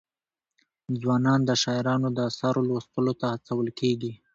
ځوانان د شاعرانو د اثارو لوستلو ته هڅول کېږي.